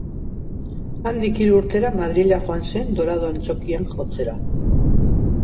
Handik hiru urtera Madrila joan zen Dorado Antzokian jotzera.